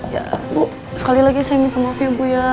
ya bu sekali lagi saya minta maaf ya bu ya